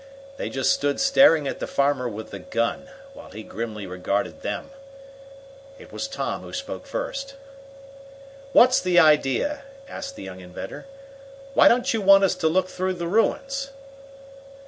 They just stood staring at the farmer with the gun, while he grimly regarded them. It was Tom who spoke first. "What's the idea?" asked the young inventor. "Why don't you want us to look through the ruins?"